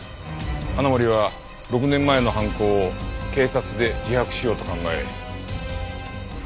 花森は６年前の犯行を警察で自白しようと考え。